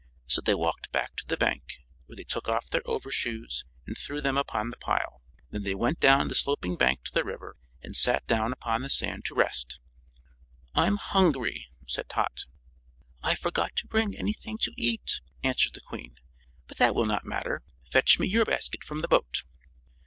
So they walked back to the bank, where they took off their overshoes and threw them upon the pile. Then they went down the sloping bank to the river and sat down upon the sand to rest. "I'm hungry," said Tot. "I forgot to bring anything to eat," answered the Queen. "But that will not matter. Fetch me your basket from the boat."